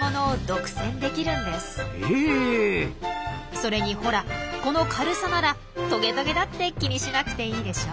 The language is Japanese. それにほらこの軽さならトゲトゲだって気にしなくていいでしょ？